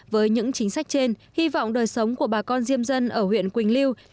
với những chính sách trên hy vọng đời sống của bà con diêm dân ở huyện quỳnh lưu